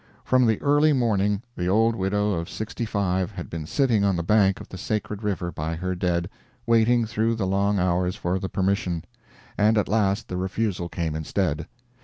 From the early morning the old widow of sixty five had been sitting on the bank of the sacred river by her dead, waiting through the long hours for the permission; and at last the refusal came instead.